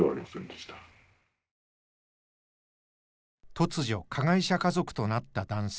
突如加害者家族となった男性。